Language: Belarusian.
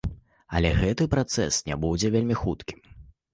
Але гэты працэс не будзе вельмі хуткім.